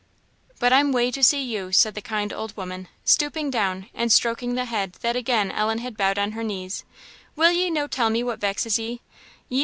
"But I'm wae to see you," said the kind old woman, stooping down and stroking the head that again Ellen had bowed on her knees; "will ye no tell me what vexes ye?